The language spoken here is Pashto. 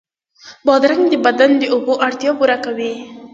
بادرنګ د بدن د اوبو اړتیا پوره کوي.